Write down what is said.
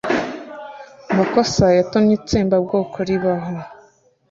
makosa yatumye itsembabwoko ribaho